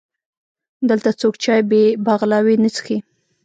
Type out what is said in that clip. دلته څوک چای بې بغلاوې نه څښي.